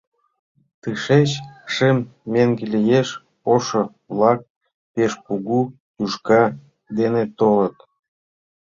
Тышеч шым меҥге лиеш, ошо-влак пеш кугу тӱшка дене толыт!